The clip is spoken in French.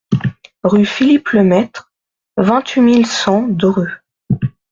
Rue Philippe Lemaître, vingt-huit mille cent Dreux